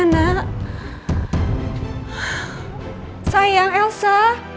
tidak ada apa apa